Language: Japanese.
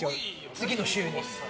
次の週に。